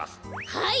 はい！